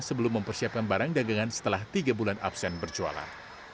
sebelum mempersiapkan barang dagangan setelah tiga bulan absen berjualan